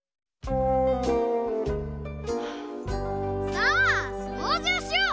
さあそうじをしよう！